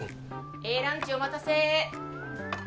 Ａランチお待たせ。